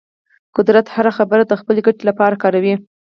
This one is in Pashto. قدرت هره خبره د خپلې ګټې لپاره کاروي.